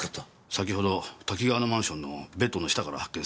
先ほど多岐川のマンションのベッドの下から発見されました。